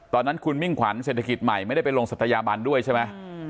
ตอนนั้นคุณมิ่งขวัญเศรษฐกิจใหม่ไม่ได้ไปลงศัตยาบันด้วยใช่ไหม